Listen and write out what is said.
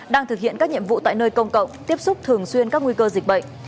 đang thực hiện các nhiệm vụ tại nơi công cộng tiếp xúc thường xuyên các nguy cơ dịch bệnh